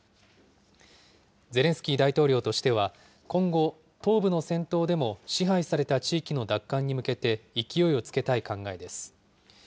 ゼレンスキー大統領としては、今後、東部の戦闘でも支配された地域の奪還に向けて勢いをつけたい考えです。